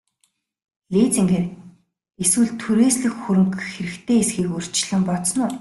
Лизингээр эсвэл түрээслэх хөрөнгө хэрэгтэй эсэхийг урьдчилан бодсон уу?